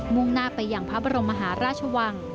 ่งหน้าไปอย่างพระบรมมหาราชวัง